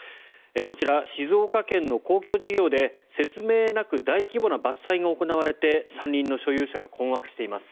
こちら、静岡県の公共事業で説明なく大規模な伐採が行われて山林の所有者が困惑しています。